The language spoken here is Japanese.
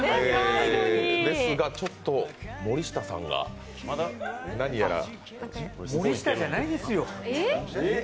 ですがちょっと森下さんが何やら森下じゃないですよ。